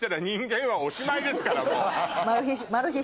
マル秘